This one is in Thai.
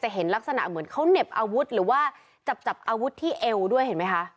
เห็นลักษณะเหมือนเขาเหน็บอาวุธหรือว่าจับอาวุธที่เอวด้วยเห็นไหมคะ